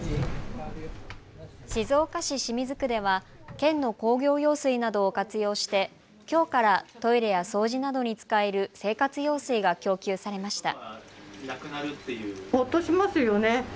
静岡市清水区では県の工業用水などを活用してきょうからトイレや掃除などに使える生活用水が供給されました。